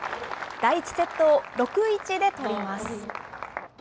第１セットを６―１で取ります。